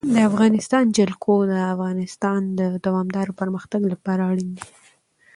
د افغانستان جلکو د افغانستان د دوامداره پرمختګ لپاره اړین دي.